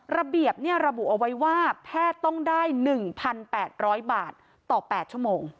ระเบียบระบุเอาไว้ว่าแพทย์ต้องได้๑๘๐๐บาทต่อ๘ชั่วโมง